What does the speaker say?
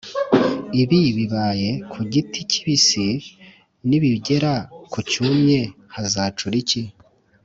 Ibi bibaye ku giti kibisi nibigera kucyumye hazacura iki